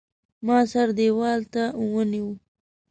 ما سره دېوال ته ونیو.